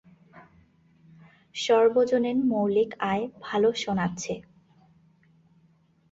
সর্বজনীন মৌলিক আয় ভাল শোনাচ্ছে।